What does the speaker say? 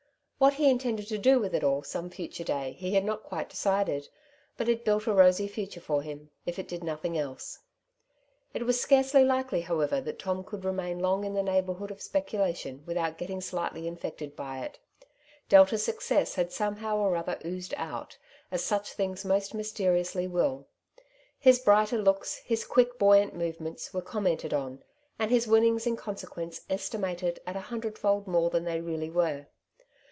What he intended to do with it all some future day he had not quite decided, but it built a rosy future for him, if it did nothing else. It was scarcely likely, however, that Tom could remain long in the neighbourhood of speculation without getting slightly infected by it. Delta's success had somehow or other oozed out, as such things most mysteriously will. His brighter looks, his quick buoyant movements, were commented on, and his winnings in consequence estimated at a hundredfold more than they really were.